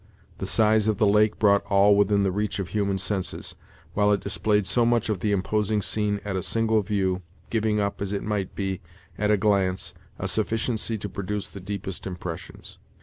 The size of the lake brought all within the reach of human senses, while it displayed so much of the imposing scene at a single view, giving up, as it might be, at a glance, a sufficiency to produce the deepest impressions.